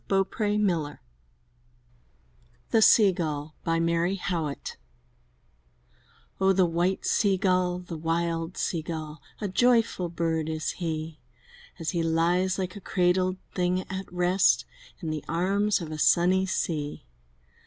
83 M Y BOOK HOUSE THE SEA GULL Mary Howitt OH, the white Sea gull, the wild Sea gull, A joyful bird is he, As he lies like a cradled thing at rest In the arms of a sunny sea!